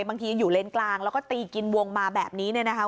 บางทีอยู่เลนกลางแล้วก็ตีกินวงมาแบบนี้เนี่ยนะคะ